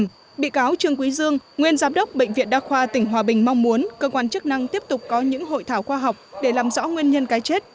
trong đó bị cáo trương quý dương nguyên giám đốc bệnh viện đa khoa tỉnh hòa bình mong muốn cơ quan chức năng tiếp tục có những hội thảo khoa học để làm rõ nguyên nhân cái chết